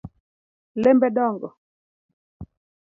Lembe dongo